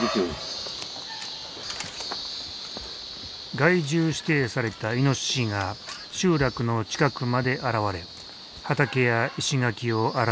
害獣指定されたイノシシが集落の近くまで現れ畑や石垣を荒らしていた。